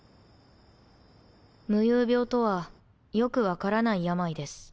夢遊病とはよく分からない病です。